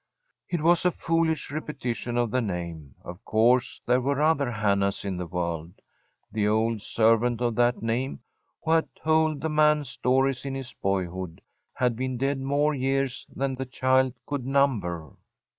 It was a foolish repetition of the name. Of course there were other Hannahs in the world. The old servant of that name, who had told the man stories in his boyhood, had been dead more years than the child could number.